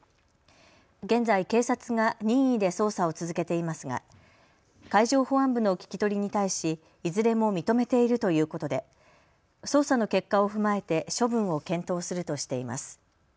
現在、警察が任意で捜査を続けていますが海上保安部の聞き取りに対しいずれも認めているということで捜査の結果を踏まえて処分を検討するとしています。